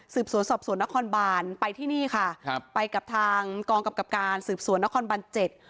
สวนสอบสวนนครบานไปที่นี่ค่ะครับไปกับทางกองกำกับการสืบสวนนครบานเจ็ด